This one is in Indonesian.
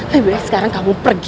lebih baik sekarang kamu pergi